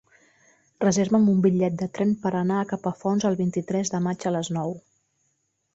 Reserva'm un bitllet de tren per anar a Capafonts el vint-i-tres de maig a les nou.